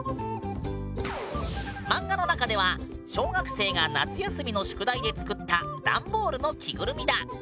漫画の中では小学生が夏休みの宿題で作った段ボールの着ぐるみだ。